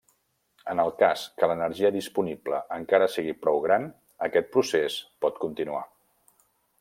En el cas que l'energia disponible encara sigui prou gran aquest procés pot continuar.